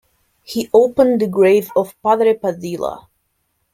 He opened the grave of Padre Padilla.